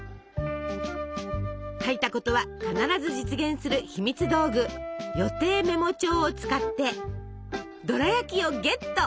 書いたことは必ず実現するひみつ道具「予定メモ帳」を使ってドラやきをゲット！